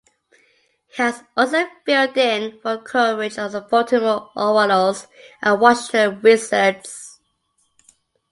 He has also filled in for coverage of the Baltimore Orioles and Washington Wizards.